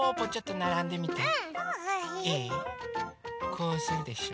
こうするでしょ。